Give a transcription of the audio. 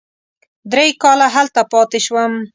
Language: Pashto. درې کاله هلته پاتې شوم.